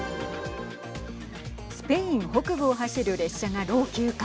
スペイン北部を走る列車が老朽化。